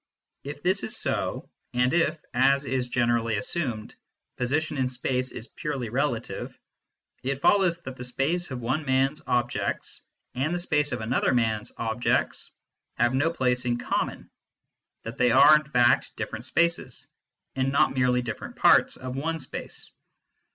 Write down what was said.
If this is so, and if, as is generally assumed, position in space is purely relative, it follows that the space of one man s objects and the space of another man s objects have no place in common, that they are in fact different spaces, and not merely different parts of one space.